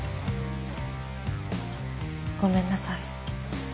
ごめんなさい